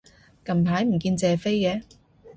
近排唔見謝飛嘅